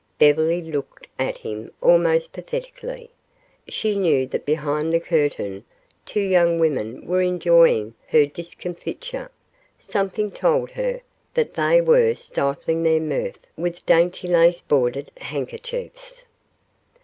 Beverly looked at him almost pathetically. She knew that behind the curtain two young women were enjoying her discomfiture. Something told her that they were stifling their mirth with dainty lace bordered handkerchiefs.